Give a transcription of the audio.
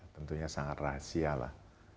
tentunya sangat rahasia lah